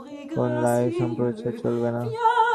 কোন লাইভ সম্প্রচার চলবে না।